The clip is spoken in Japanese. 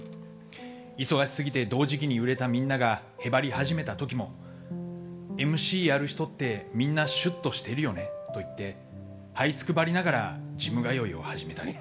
忙しすぎて同時期に売れたみんながへばり始めた時もＭＣやる人ってみんなシュッとしてるよねと言ってはいつくばりながらジム通いを始めたり。